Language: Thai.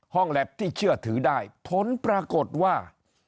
แล็บที่เชื่อถือได้ผลปรากฏว่า